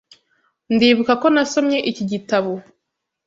Ndibuka ko nasomye iki gitabo.